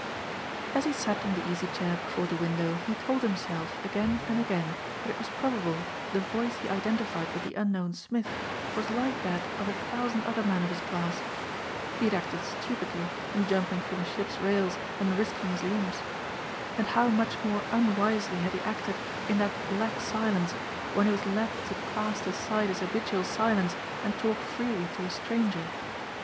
As he sat in the easy chair before the window he told himself again and again that it was probable the voice he identified with the unknown Smith was like that of a thousand other men of his class. He had acted stupidly in jumping from a ship's rails and risking his limbs. And how much more unwisely had he acted in that black silence when he was led to cast aside his habitual silence and talk freely to a stranger.